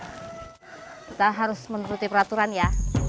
kita harus menuruti peraturan ya